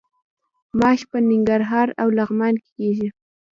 ماش په ننګرهار او لغمان کې کیږي.